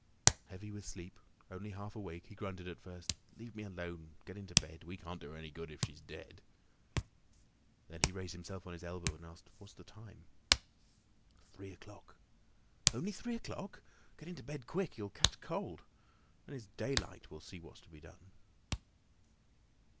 Heavy with sleep, only half awake, he grunted at first: "Leave me alone, get into bed. We can't do her any good if she's dead." Then he raised himself on his elbow and asked: "What's the time?" "Three o'clock." "Only three o'clock! Get into bed quick. You'll catch cold. When it's daylight, we'll see what's to be done."